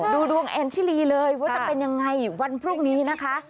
ดูดวงแอนชิลีเลยว่าจะเป็นยังไงวันพรุ่งนี้นะคะ